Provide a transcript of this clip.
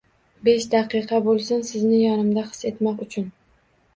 Besh daqiqa bo'lsin sizni yonimda his etmoq uchun